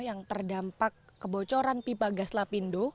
yang terdampak kebocoran pipa gas lapindo